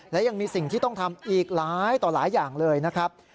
และยังมีสิ่งที่ต้องทำอีกหลายต่อหลายอย่างเลยนะครับ